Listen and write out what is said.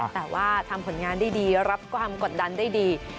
แต่ว่าทำผลงานได้ดีรับความกดดันได้ดี